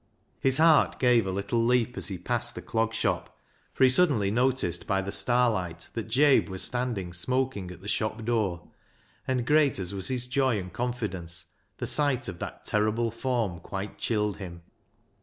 His heart gave a little leap as he passed the Clog Shop, for he suddenly noticed by the star light that Jabe was standing smoking at the shop door, and great as was his joy and confidence, the sight of that terrible form quite chilled him.